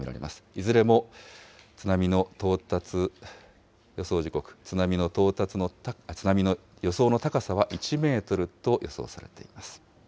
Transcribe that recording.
いずれも、津波の到達予想時刻、津波の予想の高さは１メートルと予想されています。